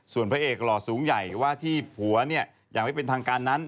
ส่วนพระเอกหล่อสูงใหญ่ว่าที่ผัวเนี่ยอย่างไม่เป็นทางการนั้น